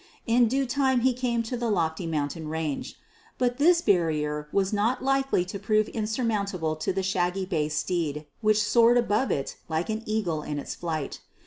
In due time he came to the lofty mountain range; but this barrier was not likely to prove insurmountable to the shaggy bay steed which soared above it like an eagle in its flight.